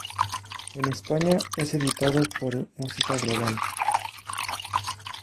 En España es editado por Música Global.